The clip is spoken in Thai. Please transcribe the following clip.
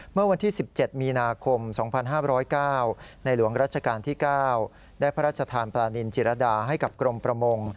เมื่อวันที่๑๗มีนาคม๒๕๐๙ในหลวงรัชกาลที่๙ได้พระราชทานปลานินจิรดาให้กับกรมประมง